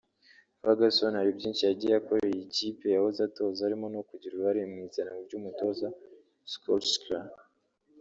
Ferguson hari byinshi yagiye akorera iyi kipe yahoze atoza harimo nko kugira uruhare mu izanwa ry’umutoza Soljkaer